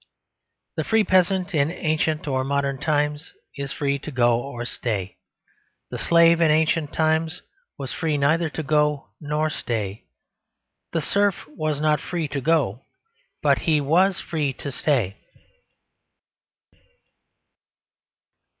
The free peasant, in ancient or modern times, is free to go or stay. The slave, in ancient times, was free neither to go nor stay. The serf was not free to go; but he was free to stay.